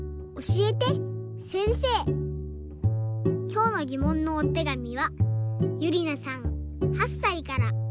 きょうのぎもんのおてがみはゆりなさん８さいから。